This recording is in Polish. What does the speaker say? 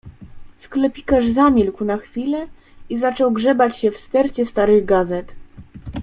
"Sklepikarz zamilkł na chwilę i zaczął grzebać się w stercie starych gazet."